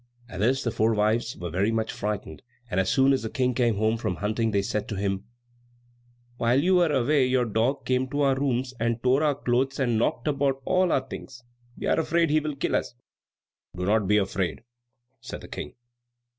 At this the four wives were very much frightened, and as soon as the King came home from hunting they said to him, "While you were away your dog came to our rooms, and tore our clothes and knocked about all our things. We are afraid he will kill us." "Do not be afraid," said the King.